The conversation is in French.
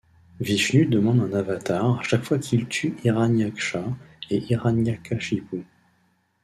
Vishnu demande un avatar à chaque fois qu'il tue Hiranyaksha et Hiranyakashipu.